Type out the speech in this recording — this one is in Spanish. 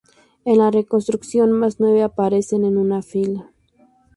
En la reconstrucción más nueva aparecen en una fila.